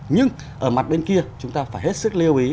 nhưng ở mặt bên kia chúng ta phải hết sức lưu ý